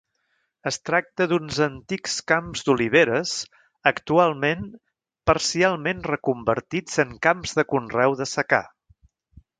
Es tracta d'uns antics camps d'oliveres, actualment parcialment reconvertits en camps de conreu de secà.